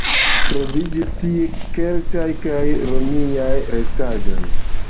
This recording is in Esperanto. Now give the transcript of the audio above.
Troviĝis tie keltaj kaj romiaj restaĵoj.